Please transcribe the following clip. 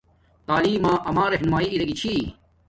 تعلیم ما اما رہنماݵݵ ارے گی